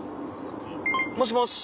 もしもし。